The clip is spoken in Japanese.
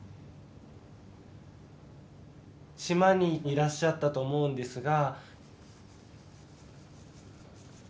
島にいらっしゃったと思うんですが。